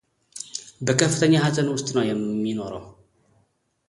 በከፍተኛ ሃዘን ውስጥ ነው የሚኖረው፡፡